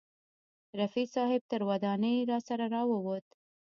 رفیع صاحب تر ودانۍ راسره راوووت.